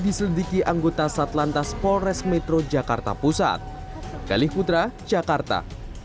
diselidiki anggota satlantas polres metro jakarta pusat galih putra jakarta